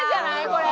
これ。